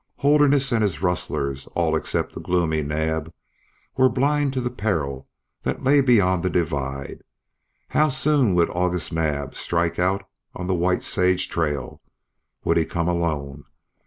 Holderness and his rustlers, all except the gloomy Naab, were blind to the peril that lay beyond the divide. How soon would August Naab strike out on the White Sage trail? Would he come alone?